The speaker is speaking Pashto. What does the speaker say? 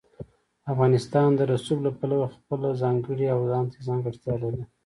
افغانستان د رسوب له پلوه خپله ځانګړې او ځانته ځانګړتیا لري.